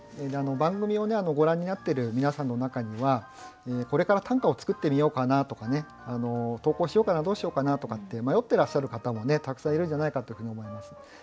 番組をご覧になってる皆さんの中にはこれから短歌を作ってみようかなとかね投稿しようかなどうしようかなとかって迷ってらっしゃる方もねたくさんいるんじゃないかっていうふうに思います。